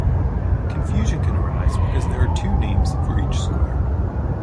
Confusion can arise because there are two names for each square.